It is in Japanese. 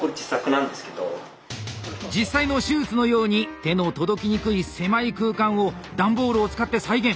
実際の手術のように手の届きにくい狭い空間を段ボールを使って再現。